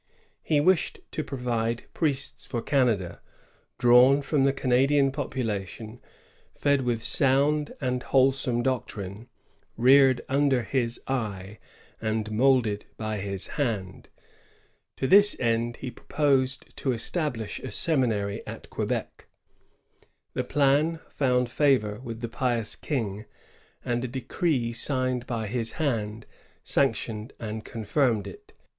He wished to provide priests for Canada, drawn from the Canadian population, fed with sound and wholesome doctrine, reared under his eye, and moulded by his hand. To this end he proposed to establish a seminary at Quebec. The plan found favor with the pious King, and a decree signed by his hand sanctioned and confirmed it.